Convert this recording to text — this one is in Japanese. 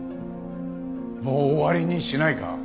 もう終わりにしないか？